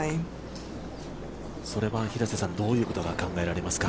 それはどういうことが考えられますか？